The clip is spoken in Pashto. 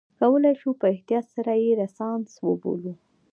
کولای شو په احتیاط سره یې رنسانس وبولو.